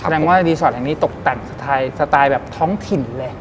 แสดงว่ารีสอร์ทแห่งนี้ตกแต่งสไตล์แบบท้องถิ่นเลย